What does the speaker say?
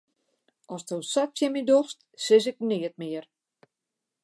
Asto sa tsjin my dochst, sis ik neat mear.